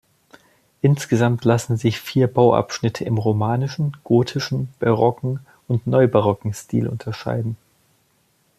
Insgesamt lassen sich vier Bauabschnitte im romanischen, gotischen, barocken und neubarocken Stil unterscheiden.